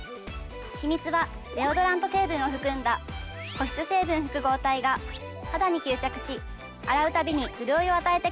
秘密はデオドラント成分を含んだ保湿成分複合体が肌に吸着し洗うたびに潤いを与えてくれるんです。